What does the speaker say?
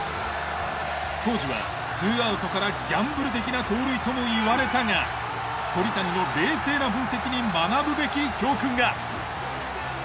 当時は２アウトからギャンブル的な盗塁ともいわれたが鳥谷の冷静な分析に学ぶべき教訓が。